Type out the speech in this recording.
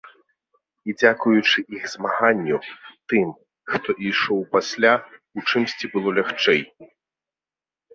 І дзякуючы іх змаганню, тым, хто ішоў пасля, у чымсьці было лягчэй.